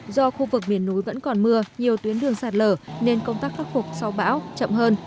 do khu vực miền núi vẫn còn mưa nhiều tuyến đường sạt lở nên công tác khắc phục sau bão chậm hơn